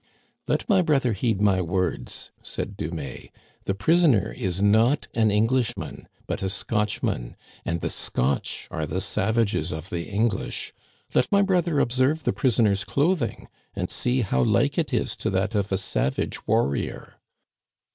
Let my brother heed my words/' said Dumais. '^ The prisoner is not an Englishman, but a Scotchman, and the Scotch are the savages of the English. Let my brother observe the prisoner's clothing, and see how like it is to that of a savage warrior."